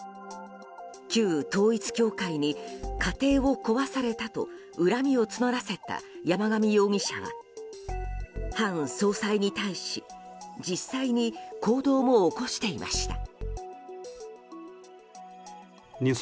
旧統一教会に家庭を壊されたと恨みを募らせた山上容疑者は韓総裁に対し実際に行動も起こしていました。